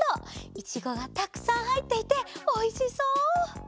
いちごがたくさんはいっていておいしそう！